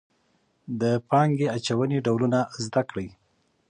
د پانګې اچونې ډولونه زده کړئ.